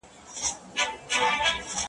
په لومړۍ ونه کي بند یې سول ښکرونه `